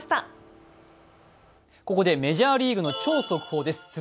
ここでメジャーリーグの超速報です。